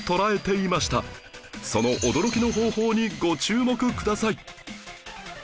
その驚きの方法にご注目ください